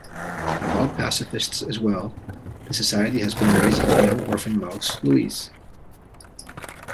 Avowed pacifists as well, the society has been raising a young orphan mouse, Louise.